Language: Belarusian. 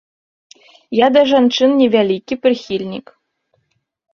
Я да жанчын невялікі прыхільнік.